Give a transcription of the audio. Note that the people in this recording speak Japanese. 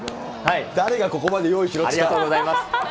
誰がここまで用意しろって言ありがとうございます。